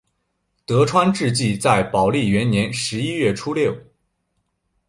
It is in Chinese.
德川治济在宝历元年十一月初六。